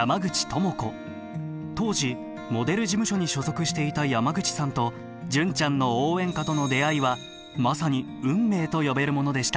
当時モデル事務所に所属していた山口さんと「純ちゃんの応援歌」との出会いはまさに運命と呼べるものでした。